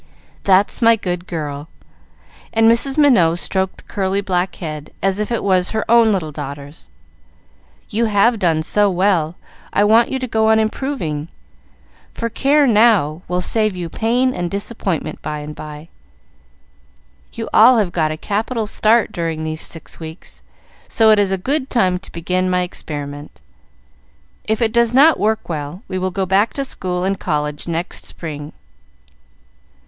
"That's my good girl!" and Mrs. Minot stroked the curly black head as if it was her own little daughter's. "You have done so well, I want you to go on improving, for care now will save you pain and disappointment by and by. You all have got a capital start during these six weeks, so it is a good time to begin my experiment. If it does not work well, we will go back to school and college next spring."